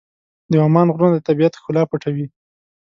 د عمان غرونه د طبیعت ښکلا پټوي.